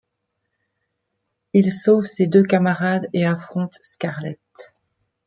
Il sauve ses deux camarades et affronte Scarlett.